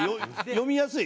読みやすい。